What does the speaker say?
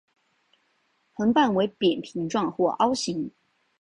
横板为扁平状或凹形。